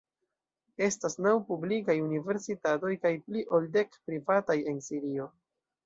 Estas naŭ publikaj universitatoj kaj pli ol dek privataj en Sirio.